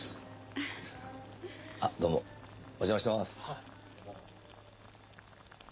あっどうもお邪魔してます。